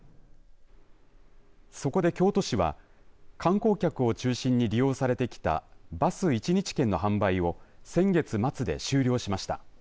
そこで京都市は観光客を中心に利用されてきたバス１日券の販売を先月末で終了しました。